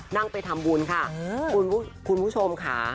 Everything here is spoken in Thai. นั่งไปทำบุญค่ะคุณผู้ชมค่ะ